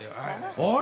あれ？